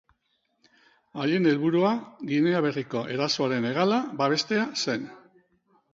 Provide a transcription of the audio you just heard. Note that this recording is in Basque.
Haien helburua, Ginea Berriko erasoaren hegala babestea zen.